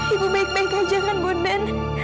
ibu baik baik aja kan bone